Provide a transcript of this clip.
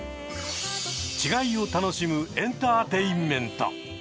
違いを楽しむエンターテインメント。